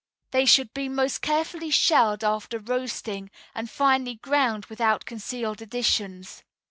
They should be most carefully shelled after roasting and finely ground without concealed additions.